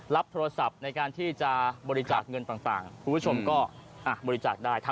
รับโทรศัพท์ในการที่จะบริจาคเงินต่างคุณผู้ชมก็บริจาคได้